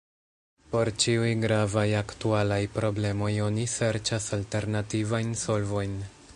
Por ĉiuj gravaj aktualaj problemoj oni serĉas alternativajn solvojn.